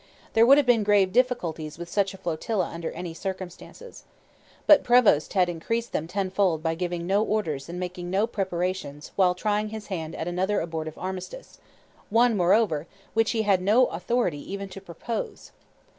There would have been grave difficulties with such a flotilla under any circumstances. But Prevost had increased them tenfold by giving no orders and making no preparations while trying his hand at another abortive armistice one, moreover, which he had no authority even to propose.